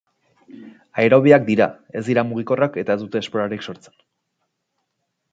Aerobioak dira, ez dira mugikorrak eta ez dute esporarik sortzen.